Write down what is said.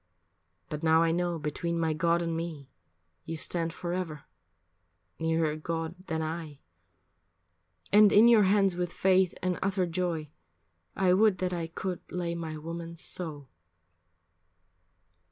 But now I know between my God and me You stand forever, nearer God than I, And in your hands with faith and utter joy I would that I could lay my woman's soul.